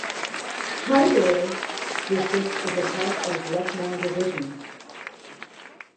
Hardoi district is a part of Lucknow division.